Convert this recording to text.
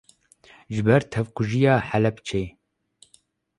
ji ber tevkujiya Helepçê